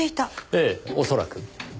ええ恐らく。